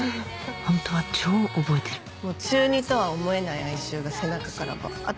ホントは超覚えてる中２とは思えない哀愁が背中からバって出てたよ。